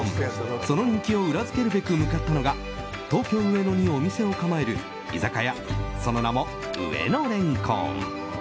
その人気を裏付けるべく向かったのが東京・上野にお店を構える居酒屋その名も、上野れんこん。